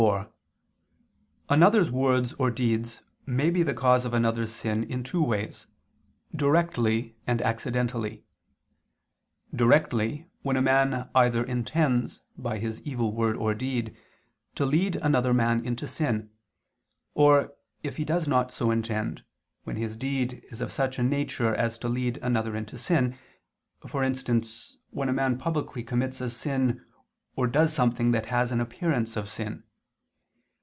4: Another's words or deed may be the cause of another's sin in two ways, directly and accidentally. Directly, when a man either intends, by his evil word or deed, to lead another man into sin, or, if he does not so intend, when his deed is of such a nature as to lead another into sin: for instance, when a man publicly commits a sin or does something that has an appearance of sin.